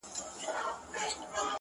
زما د تصور لاس گراني ستا پر ځــنگانـه ـ